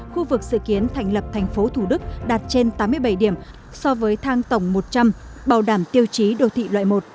khu vực dự kiến thành lập thành phố thủ đức đạt trên tám mươi bảy điểm so với thang tổng một trăm linh bảo đảm tiêu chí đô thị loại một